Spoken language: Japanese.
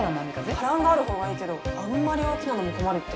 波乱がある方がいいけどあんまり大きなのも困るって。